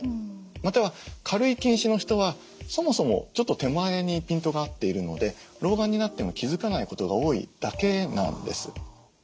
または軽い近視の人はそもそもちょっと手前にピントが合っているので老眼になっても気付かないことが多いだけなんです。